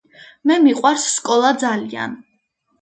მე მიყვარს სკოლა ძალიან